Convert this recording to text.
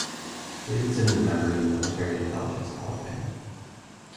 Davidson is a member of the Military Intelligence Hall of Fame.